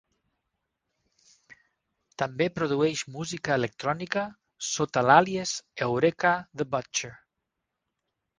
També produeix música electrònica sota l'àlies Eureka the Butcher.